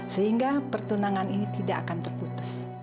sehingga pertunangan ini tidak akan terputus